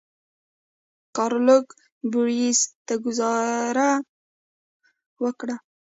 ګارلوک بوریس ته ګوزاره ورکړه.